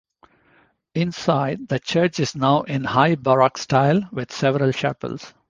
Inside, the church is now in high-baroque style with several chapels.